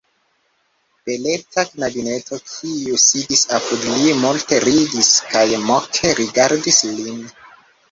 Beleta knabineto, kiu sidis apud li, multe ridis kaj moke rigardis lin.